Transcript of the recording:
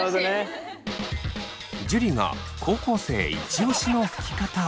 樹が高校生イチオシのふき方を。